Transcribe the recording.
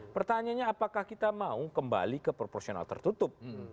pertanyaannya apakah kita mau kembali ke proporsional tertutup